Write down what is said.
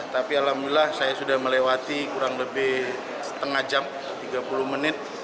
tapi alhamdulillah saya sudah melewati kurang lebih setengah jam tiga puluh menit